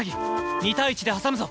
２対１で挟むぞ！